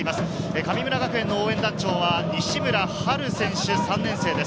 神村学園応援団長は西村羽琉選手、３年生です。